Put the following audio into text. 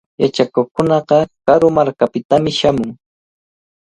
Yachakuqkunaqa karu markakunapitami shamun.